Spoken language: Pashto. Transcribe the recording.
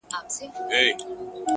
هينداره و هيندارې ته ولاړه ده حيرانه!!